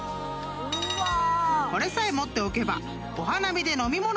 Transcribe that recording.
［これさえ持っておけば］